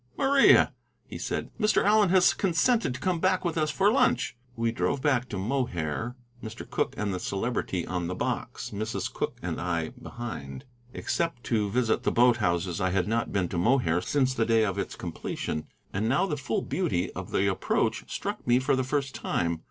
"Maria," he said, "Mr. Allen has consented to come back with us for lunch." We drove back to Mohair, Mr. Cooke and the Celebrity on the box, Mrs. Cooke and I behind. Except to visit the boathouses I had not been to Mohair since the day of its completion, and now the full beauty of the approach struck me for the first time.